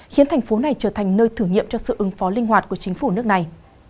khiến thành phố này trở thành nơi thử nghiệm cho sự ứng phó linh hoạt của chính phủ nước này